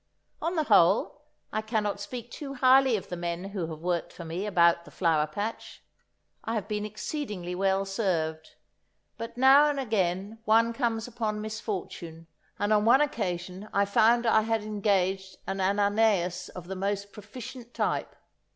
On the whole, I cannot speak too highly of the men who have worked for me about the Flower patch; I have been exceedingly well served, but now and again one comes upon misfortune, and on one occasion I found I had engaged an Ananias of the most proficient type.